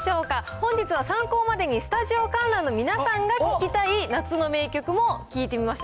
本日は参考までにスタジオ観覧の皆さんが聴きたい夏の名曲も聞いてみました。